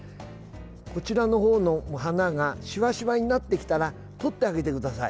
こちらの方の花がしわしわになってきたらとってあげてください。